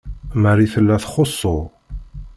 Marie tella txuṣṣu.